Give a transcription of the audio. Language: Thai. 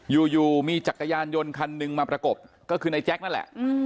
อยู่มีจักรยานยนต์คันหนึ่งมาประกบก็คือนายแจ๊คนั่นแหละ